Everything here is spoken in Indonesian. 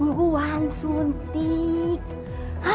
ya sudah di intik aja